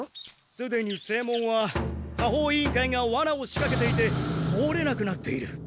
すでに正門は作法委員会がワナをしかけていて通れなくなっている。